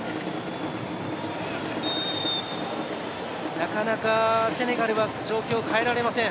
なかなか、セネガルは状況を変えられません。